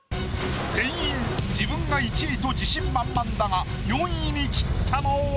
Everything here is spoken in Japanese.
全員「自分が１位」と自信満々だが４位に散ったのは？